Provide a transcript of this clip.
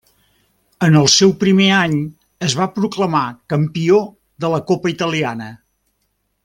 En el seu primer any es va proclamar campió de la Copa Italiana.